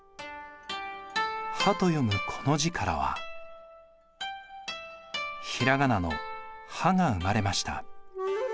「波」と読むこの字からは平仮名の「は」が生まれました。